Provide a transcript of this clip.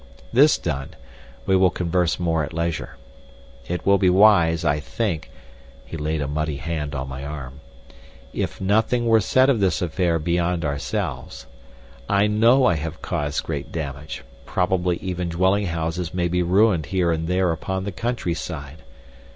This done, we will converse more at leisure. It will be wise, I think"—he laid a muddy hand on my arm—"if nothing were said of this affair beyond ourselves. I know I have caused great damage—probably even dwelling houses may be ruined here and there upon the country side.